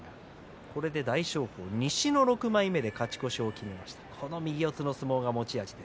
これで大翔鵬は西の６枚目で勝ち越しを決めました。